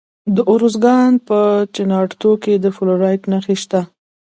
د ارزګان په چنارتو کې د فلورایټ نښې شته.